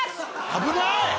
危ない！